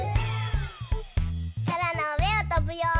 そらのうえをとぶよ。